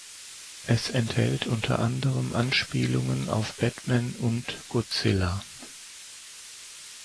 Es enthält unter anderem Anspielungen auf Batman und Godzilla.